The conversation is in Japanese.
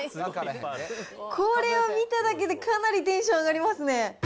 これは見ただけでかなりテンション上がりますね。